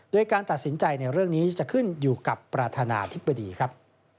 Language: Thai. โดยการตัดสินใจในเรื่องนี้จะขึ้นอยู่กับประธานาธิบดีครับ